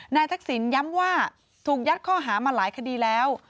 ทักษิณย้ำว่าถูกยัดข้อหามาหลายคดีแล้ว